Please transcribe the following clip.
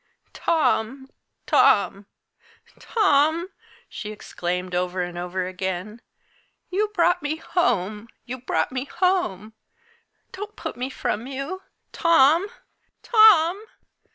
"Tom! Tom! Tom!" she exclaimed, over and over again. "You brought me home! you brought me home! Don't put me from you! Tom! Tom!